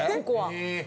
ここは。